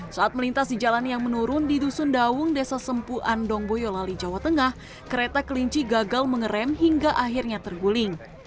saat melintas di jalan yang menurun di dusun dawung desa sempu andong boyolali jawa tengah kereta kelinci gagal mengerem hingga akhirnya terguling